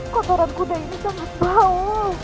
kotoran kuda ini sangat baik